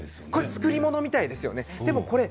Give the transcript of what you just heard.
作り物みたいですね。